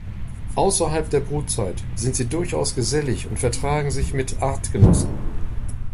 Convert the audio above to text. Außerhalb der Brutzeit sind sie durchaus gesellig und vertragen sich mit Artgenossen.